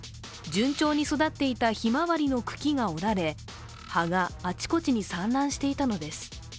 順調に育っていたひまわりの茎が折られ葉があちこちに散乱していたのです。